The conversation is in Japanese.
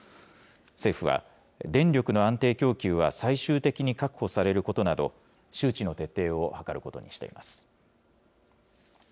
政府は、電力の安定供給は最終的に確保されることなど、周知の徹底を図ることにしています。